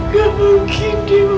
gak mungkin dima